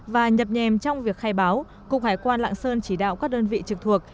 và nhập nhèm trong việc khai báo cục hải quan lạng sơn chỉ đạo các đơn vị trực thuộc